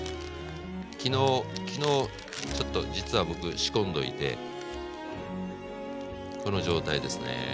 昨日昨日ちょっと実は僕仕込んどいてこの状態ですね。